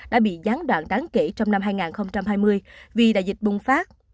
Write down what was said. đã bị gián đoạn đáng kể trong năm hai nghìn hai mươi vì đại dịch bùng phát